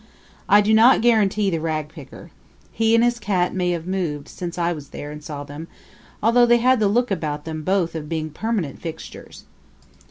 I do not guarantee the rag picker. He and his cat may have moved since I was there and saw them, although they had the look about them both of being permanent fixtures.